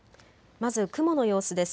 まず雲の様子です。